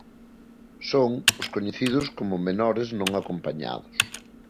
Son os coñecidos como menores non acompañados.